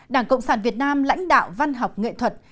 đảng cộng sản việt nam lãnh đạo văn học nghệ thuật